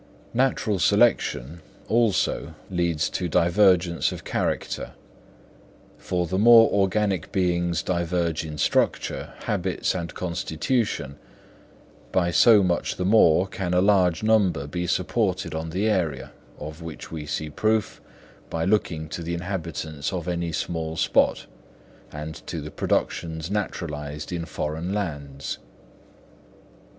Natural selection, also, leads to divergence of character; for the more organic beings diverge in structure, habits and constitution, by so much the more can a large number be supported on the area, of which we see proof by looking to the inhabitants of any small spot, and to the productions naturalised in foreign lands.